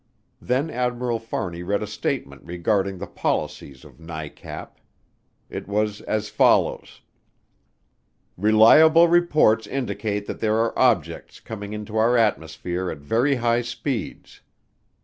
Then Admiral Fahrney read a statement regarding the policies of NICAP. It was as follows: "Reliable reports indicate that there are objects coming into our atmosphere at very high speeds